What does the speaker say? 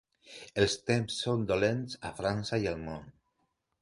Els temps són dolents a França i al món.